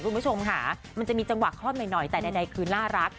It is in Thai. คุณผู้ชมค่ะมันจะมีจังหวะคล่อมหน่อยแต่ใดคือน่ารัก